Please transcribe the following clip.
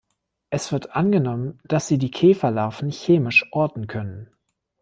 Es wird angenommen, dass sie die Käferlarven chemisch orten können.